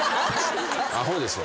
アホですわ。